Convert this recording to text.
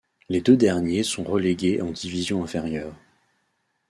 Les deux derniers sont relégués en division inférieure.